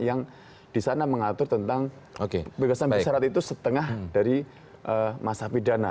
yang di sana mengatur tentang bebasan besarat itu setengah dari masa pidana